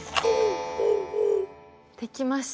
できました！